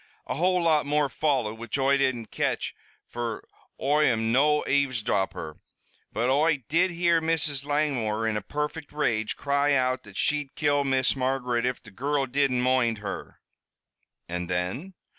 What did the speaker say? "A whole lot more followed, which Oi didn't catch, fer Oi am no avesdropper. But Oi did hear Mrs. Langmore, in a perfect rage, cry out that she'd kill Miss Margaret if the girrul didn't moind her." "And then?"